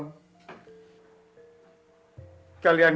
betul ya tuan